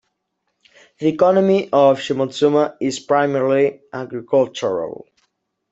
The economy of Shimotsuma is primarily agricultural.